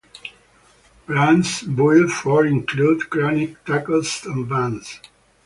Brands built for included Chronic Tacos and Vans.